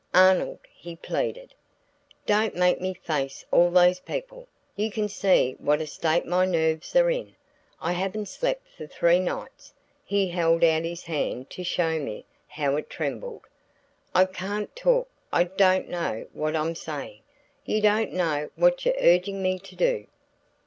"Arnold," he pleaded, "don't make me face all those people. You can see what a state my nerves are in; I haven't slept for three nights." He held out his hand to show me how it trembled. "I can't talk I don't know what I'm saying. You don't know what you're urging me to do."